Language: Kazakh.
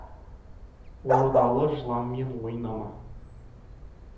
Ордалы жыланмен ойнама.